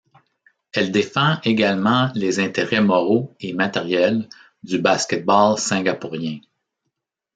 Elle défend également les intérêts moraux et matériels du basket-ball singapourien.